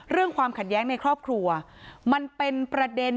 ความขัดแย้งในครอบครัวมันเป็นประเด็น